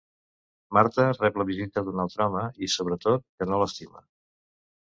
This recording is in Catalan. Marta rep la visita d'un altre home i, sobretot, que no l'estima.